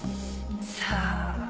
さあ。